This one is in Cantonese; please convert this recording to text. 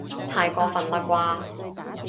太過分喇啩